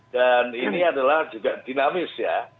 dan ini adalah juga dinamis ya